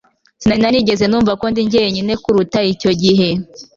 Sinari narigeze numva ko ndi jyenyine kuruta icyo gihe